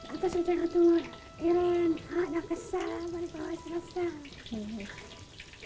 abah tidak mau ke rumah